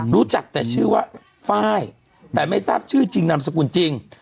รู้จักแต่ชื่อว่าไฟล์แต่ไม่ทราบชื่อจริงนามสกุลจริง